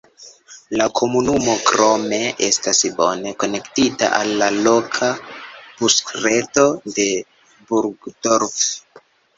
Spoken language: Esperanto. La komunumo krome estas bone konektita al la loka busreto de Burgdorf.